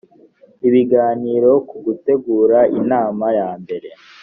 ibiganiro ku gutegura inama yambere